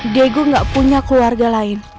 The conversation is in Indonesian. diego gak punya keluarga lain